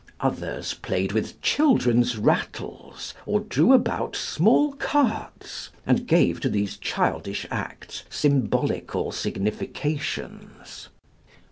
Others played with children's rattles, or drew about small carts, and gave to these childish acts symbolical significations.